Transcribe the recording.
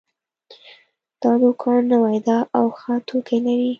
دا دوکان نوی ده او ښه توکي لري